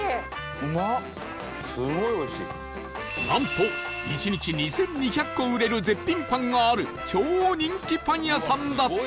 なんと１日２２００個売れる絶品パンがある超人気パン屋さんだった